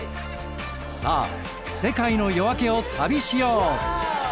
さあ世界の夜明けを旅しよう！